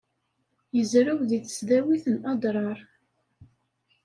Yezrew deg tesdawit n Adrar.